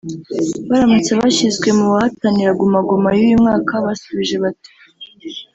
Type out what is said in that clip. Baramutse bashyizwe mu bahatanira Guma Guma y’uyu mwaka basubije bati